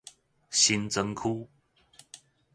新莊區